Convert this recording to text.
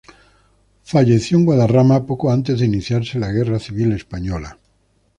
Falleció en Guadarrama, poco antes de iniciarse la Guerra Civil Española.